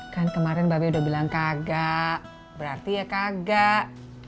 kan kemarin mbak be udah bilang kagak berarti ya kagak